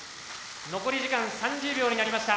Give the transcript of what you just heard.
残り時間３０秒になりました。